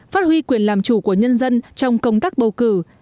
phát huy quyền làm chủ của nhân dân trong công tác bầu cử